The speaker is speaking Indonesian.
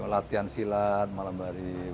latihan silat malam hari